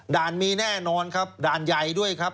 ด่านมีแน่นอนครับด่านใหญ่ด้วยครับ